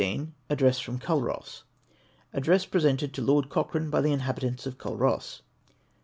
ADDRESS FROM CULROSS. Address jrresented to Lord Cochrane hy the mhabitants of Cidross.